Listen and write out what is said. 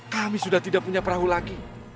kami sudah tidak punya perahu lagi